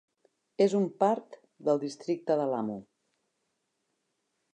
És un part del districte de Lamu.